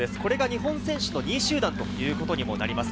日本選手の２位集団ということになります。